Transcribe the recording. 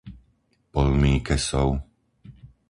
Poľný Kesov